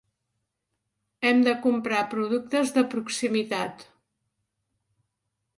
Hem de comprar productes de proximitat